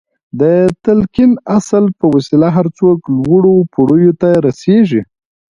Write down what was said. د تلقين اصل په وسيله هر څوک لوړو پوړيو ته رسېږي.